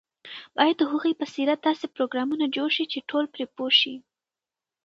باید د هغوی په سیرت داسې پروګرامونه جوړ شي چې ټول پرې پوه شي.